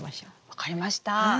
分かりました！